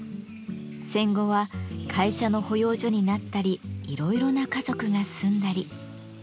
戦後は会社の保養所になったりいろいろな家族が住んだり。